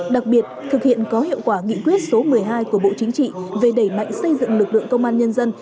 đặc biệt thực hiện có hiệu quả nghị quyết số một mươi hai của bộ chính trị về đẩy mạnh xây dựng lực lượng công an nhân dân